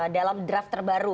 dalam draft terbaru